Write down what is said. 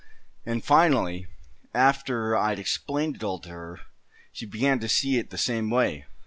An' finally, after I'd explained it all to her, she began to see it the same way.